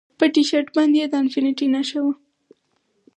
په ټي شرټ باندې د انفینټي نښه وه